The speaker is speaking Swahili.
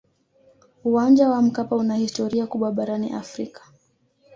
uwanja wa mkapa una historia kubwa barani afrika